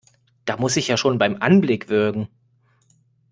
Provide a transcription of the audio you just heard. Da muss ich ja schon beim Anblick würgen!